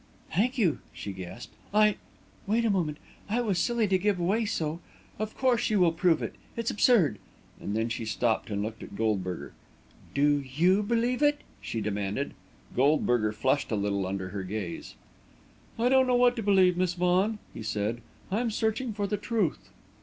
"Thank you!" she gasped. "I wait a moment I was silly to give way so. Of course you will prove it! It's absurd!" And then she stopped and looked at Goldberger. "Do you believe it?" she demanded. Goldberger flushed a little under her gaze. "I don't know what to believe, Miss Vaughan," he said. "I'm searching for the truth."